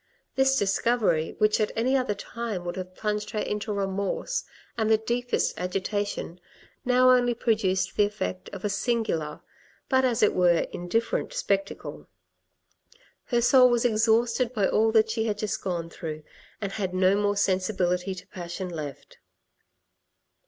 This discovery, which at any other time would have plunged her into remorse and the deepest agitation, now only produced the effect of a singular, but as it were, indifferent spectacle. Her soul was exhausted by all that she had just gone through, and had no more sensibility to passion left.